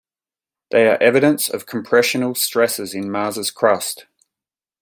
They are evidence of compressional stresses in Mars' crust.